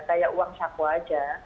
kayak uang saku aja